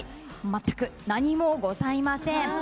全く何もございません。